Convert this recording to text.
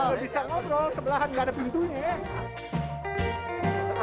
kalau bisa ngobrol sebelah kan nggak ada pintunya